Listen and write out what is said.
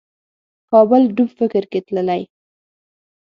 کابل ډوب فکر کې تللی